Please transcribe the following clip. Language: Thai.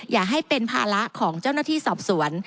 อย่าให้เป็นภาระของเจ้าหน้าที่สอบสวน